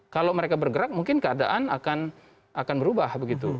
kalau mereka bergerak mungkin keadaan akan berubah begitu